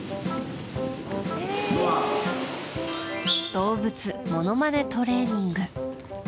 動物ものまねトレーニング。